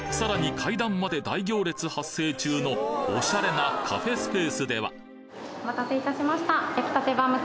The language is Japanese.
階段まで大行列発生中のおしゃれなカフェスペースではお待たせいたしました。